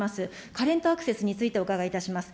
カレントアクセスについてお伺いいたします。